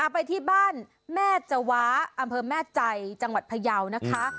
ไปที่บ้านแม่จว้าอำเภอแม่ใจจังหวัดพยาวนะคะ